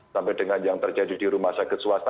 sampai dengan yang terjadi di rumah sakit swasta